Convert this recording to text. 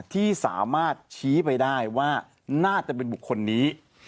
ที่สามารถชี้ไปได้ว่าน่าจะเป็นบุคคลนี้